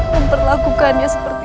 memperlakukannya seperti ini